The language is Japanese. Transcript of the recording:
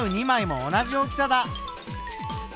２枚も同じ大きさだ。